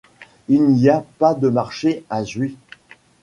Il n'y a pas de marché à Jui.